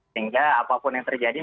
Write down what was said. sehingga apapun yang terjadi